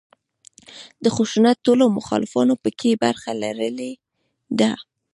د خشونت ټولو مخالفانو په کې برخه لرلې ده.